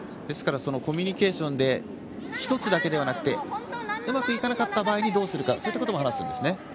コミュニケーションで１つだけではなくてうまくいかなかった場合にどうするかも話すわけですね。